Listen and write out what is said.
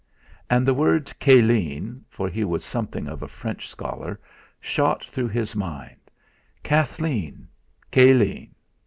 And the word 'Caline,' for he was something of a French scholar, shot through his mind: 'Kathleen Caline!'